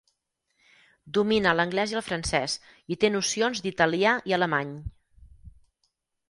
Domina l'anglès i el francès i té nocions d'italià i alemany.